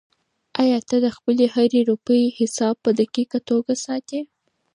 آیا ته د خپلې هرې روپۍ حساب په دقیقه توګه ساتې؟